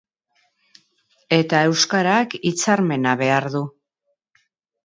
Eta euskarak hitzarmena behar du.